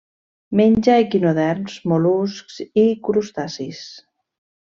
Menja equinoderms, mol·luscs i crustacis.